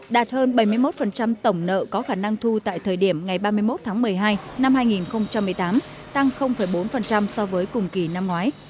đạt hơn bảy mươi một tổng nợ có khả năng thu tại thời điểm ngày ba mươi một tháng một mươi hai năm hai nghìn một mươi tám tăng bốn so với cùng kỳ năm ngoái